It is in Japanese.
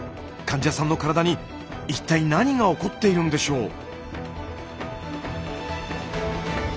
患者さんの体に一体何が起こっているんでしょう？